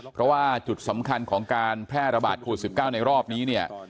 เพราะว่าจุดสำคัญของการแพร่ระบาดโควิด๑๙ในรอบนี้เนี่ย